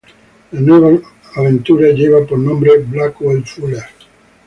La nueva aventura lleva por nombre Blackwell Fuller.